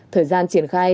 thời gian triển khai